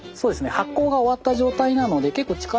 発酵が終わった状態なので結構力もいらずに。